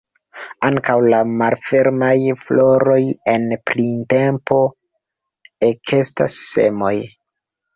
Ankaŭ la malfermaj floroj en printempo ekestas semoj.